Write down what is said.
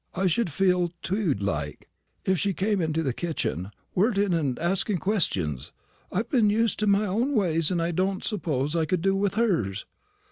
I should feel tewed like, if she came into the kitchen, worritin' and asking questions. I've been used to my own ways, and I don't suppose I could do with hers."